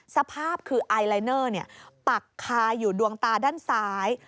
สภาพคือไอลายเนอร์ปักคาอยู่ดวงตาด้านซ้าย